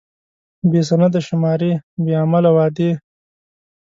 بې سنده شمارې، بې عمله وعدې.